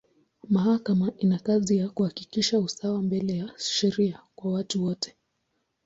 Mahakama ina kazi ya kuhakikisha usawa mbele ya sheria kwa watu wote.